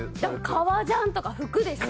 革ジャンとか服ですよ